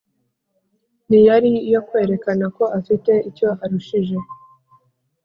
ntiyari iyo kwerekana ko afite icyo arushije